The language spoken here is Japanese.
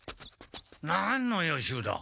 何の予習だ？